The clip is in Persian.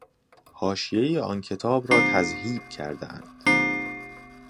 حاشیهٔ آن کتاب را تذهیب کرده اند.